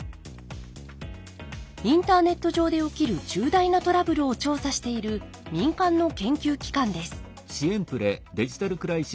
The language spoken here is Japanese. インターネット上で起きる重大なトラブルを調査している民間の研究機関です。